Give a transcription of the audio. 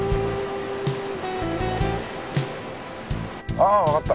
ああわかった。